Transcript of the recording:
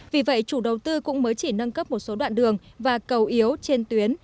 vì vậy chủ đầu tư cũng mới chỉ nâng cấp một số đoạn đường và cầu yếu trên tuyến